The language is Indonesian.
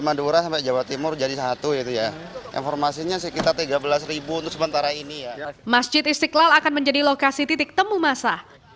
masjid istiqlal akan menjadi lokasi titik temu masa